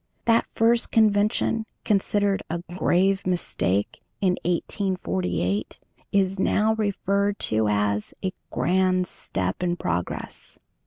That first convention, considered a "grave mistake" in 1848, is now referred to as "a grand step in progress."